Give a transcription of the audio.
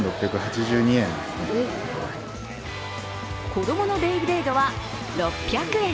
子供のベイブレードは６００円。